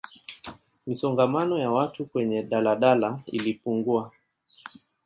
misongamano ya watu kwenye daladala ilipungua